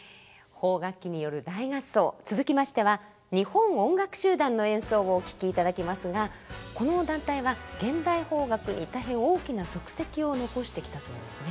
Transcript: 邦楽器による大合奏続きましては日本音楽集団の演奏をお聴きいただきますがこの団体は現代邦楽に大変大きな足跡を残してきたそうですね。